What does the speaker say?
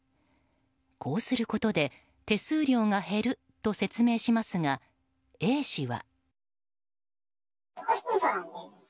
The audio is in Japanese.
こうすることで手数料が減ると説明しますがＡ氏は。